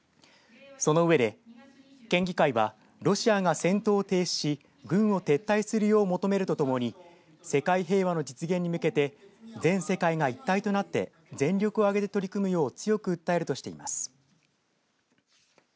その上で、県議会はロシアが戦闘を停止し、軍を撤退するよう求めるとともに世界平和の実現に向けて全世界が一体となって全力を挙げて取り組むよう強く訴えるとしています。